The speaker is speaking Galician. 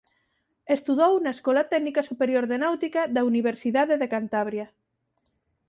Estudou na Escola Técnica Superior de Náutica da Universidade de Cantabria.